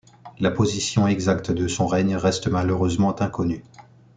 La position exacte de son règne reste malheureusement inconnue.